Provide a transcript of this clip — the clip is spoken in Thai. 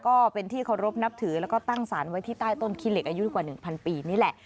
ก็เป็นที่เคารพนับถือแล้วก็ตั้งสารไว้ที่ใต้ต้นขี้เหล็กอายุกว่า๑๐๐ปีนี่แหละ